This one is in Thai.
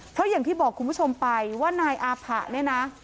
เพราะอย่างที่บอกคุณผู้ชมไปว่านายอาผะเนี่ยนะ